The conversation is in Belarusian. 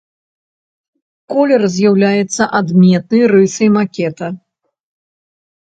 Колер з'яўляецца адметнай рысай макета.